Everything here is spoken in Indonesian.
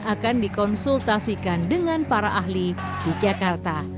akan dikonsultasikan dengan para ahli di jakarta